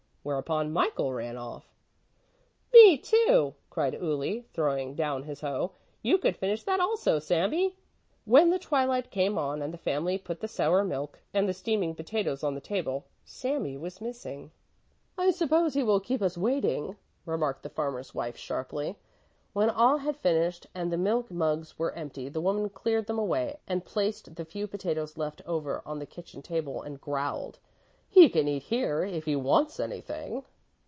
Whereupon Michael ran off. "Me, too," cried Uli, throwing down his hoe. "You can finish that also, Sami." When the twilight came on and the family put the sour milk and the steaming potatoes on the table, Sami was missing. "I suppose he will keep us waiting," remarked the farmer's wife sharply. When all had finished and the milk mugs were empty, the woman cleared them away and placed the few potatoes left over on the kitchen table and growled: "He can eat here, if he wants anything."